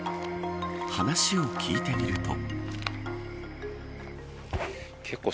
話を聞いてみると。